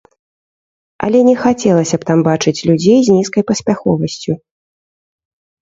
Але не хацелася б там бачыць людзей з нізкай паспяховасцю.